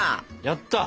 やった！